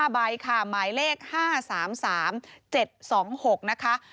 ๕ใบหมายเลข๕๓๓๗๒๖